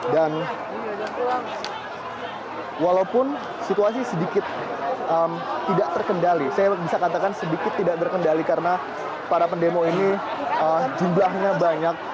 dan walaupun situasi sedikit tidak terkendali saya bisa katakan sedikit tidak terkendali karena para pendemo ini jumlahnya banyak